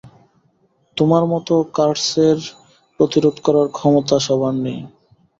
তোমার মতো কার্সের প্রতিরোধ করার ক্ষমতা সবার নেই।